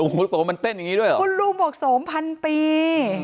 โอ้โหโสมมันเต้นอย่างนี้ด้วยเหรอคุณลุงบวกโสมพันปี